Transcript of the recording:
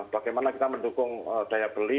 bagaimana kita mendukung daya beli